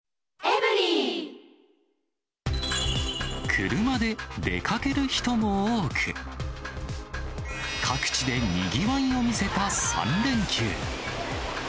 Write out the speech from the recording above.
車で出かける人も多く、各地でにぎわいを見せた３連休。